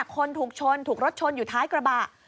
คนถูกชนถูกรถชนอยู่ท้ายกระบะ